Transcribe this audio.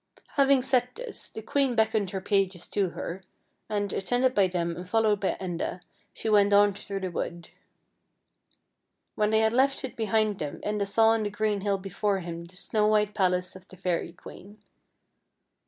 Having said this, the queen beckoned her pages to her, and, attended by them and followed by Enda, she went on through the wood. When THE HOUSE IN THE LAKE 35 they had left it behind them Enda saw on a green hill before him the snow white palace of the fairy queen.